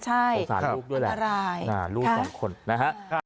ใช่มันอร่ายนะครับของสารลูกด้วยแหละลูกสองคนนะฮะ